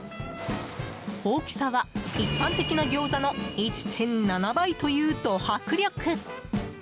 大きさは、一般的なギョーザの１．７倍というド迫力。